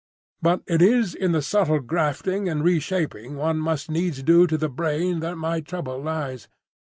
But it is in the subtle grafting and reshaping one must needs do to the brain that my trouble lies.